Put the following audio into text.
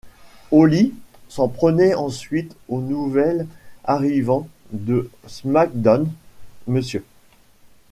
Holly s'en prenait ensuite au nouvel arrivant de SmackDown!, Mr.